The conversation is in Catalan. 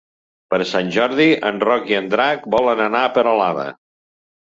Per Sant Jordi en Roc i en Drac volen anar a Peralada.